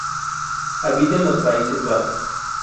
Habita en los Países Bajos.